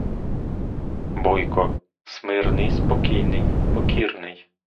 Бойко — смирний, спокійний, покірний.